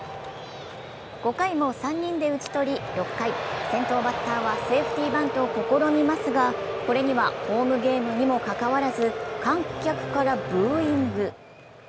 ５回も３人で打ち取り、６回、先頭バッターはセーフティバントを試みますがこれにはホームゲームにもかかわらず観客からブーイング。